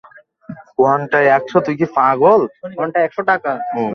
প্রেমে পড়তে কেমন লাগে।